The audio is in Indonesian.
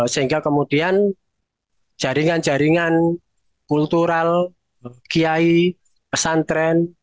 sehingga kemudian jaringan jaringan kultural kiai pesantren